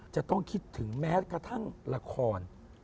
จะต้องคิดถึงแม้กระทั่งละคร